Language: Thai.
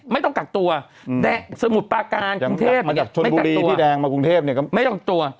ไม่ต้องกักตัวแต่สมมุติปาการกรุงเทพฯไม่กักตัว